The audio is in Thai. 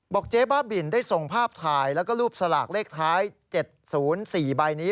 เจ๊บ้าบินได้ส่งภาพถ่ายแล้วก็รูปสลากเลขท้าย๗๐๔ใบนี้